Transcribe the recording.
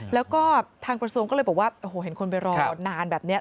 แล้วก็ทางกระทรวงก็เลยบอกว่าโอ้โหเห็นคนไปรอนานแบบนี้